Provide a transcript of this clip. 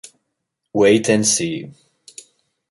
Wait and See